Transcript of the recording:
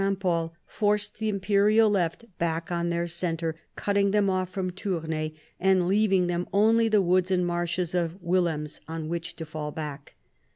Pol forced the imperial left back on their centre, cutting them off from Tournai, and leaving them only the woods and marshes of Willems on which to fall back.